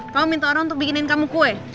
kamu minta orang untuk bikinin kamu kue